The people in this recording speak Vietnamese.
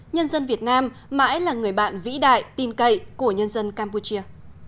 nhân dân việt nam mãi là người bạn vĩ đại tin cậy của nhân dân campuchia